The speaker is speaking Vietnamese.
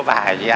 có bả gì á